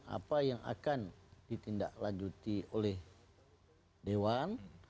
apa yang akan ditindaklanjuti oleh dewan